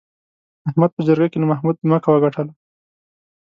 احمد په جرګه کې له محمود ځمکه وګټله.